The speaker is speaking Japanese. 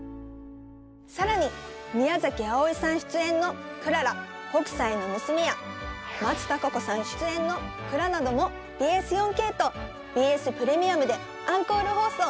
更に宮あおいさん出演の「眩北斎の娘」や松たか子さん出演の「藏」などもＢＳ４ＫとＢＳプレミアムでアンコール放送。